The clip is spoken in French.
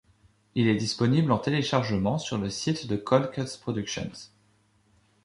Il est disponible en téléchargement sur le site de Cold Cuts Productions.